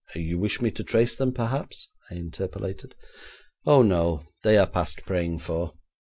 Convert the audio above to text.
'You wish me to trace them, perhaps?' I interpolated. 'Oh, no; they are past praying for.